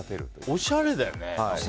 おしゃれだよね。